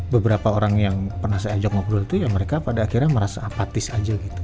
beberapa orang yang pernah saya ajak ngobrol itu ya mereka pada akhirnya merasa apatis aja gitu